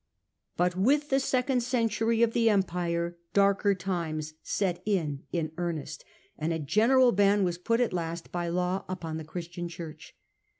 But with the second century of the empire darker times set in in earnest, and a general ban was put at last by law upon the Christian church.